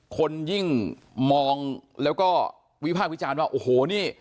คนยิ่งมองแล้วก็วิภาควิจารณ์ว่าโอ้โหนี่